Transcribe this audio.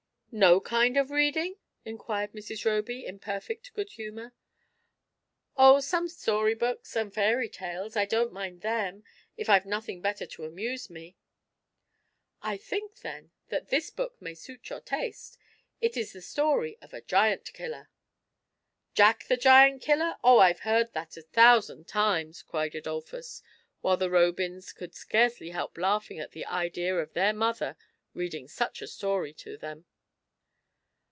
'' No kind of reading ?" inquired Mrs. Roby, in perfect good humour. "Oh, some story books, and fairy tales, I don't mind them, if I've nothing better to amuse me." " I think, then, that this book may suit your taste ; it is the story of a Giant killer." ^* Jack the Giant killer I Oh, I've heard that a thou FIRST IMPRESSIONS. SS sand times !" cried Adolphus, while the Robya couLI scarcely help laughing at the idea of their mother reading 8uch a story to them.